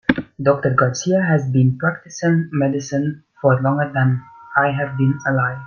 Doctor Garcia has been practicing medicine for longer than I have been alive.